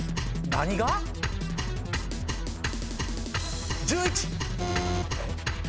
何が⁉１１！